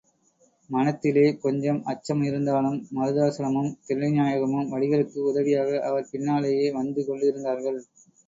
மனத்திலே கொஞ்சம் அச்சம் இருந்தாலும் மருதாசலமும் தில்லைநாயகமும் வடிவேலுக்கு உதவியாக அவர் பின்னாளேயே வந்து கொண்டிருந்தார்கள்.